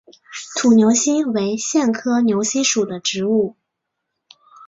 土牛膝为苋科牛膝属的植物。